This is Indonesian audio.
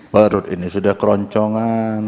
perut ini sudah keroncongan